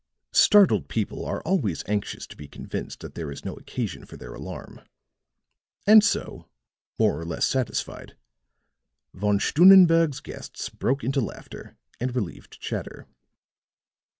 Startled people are always anxious to be convinced that there is no occasion for their alarm; and so, more or less satisfied, Von Stunnenberg's guests broke into laughter and relieved chatter.